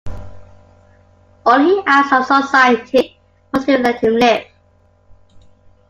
All he asked of society was to let him live.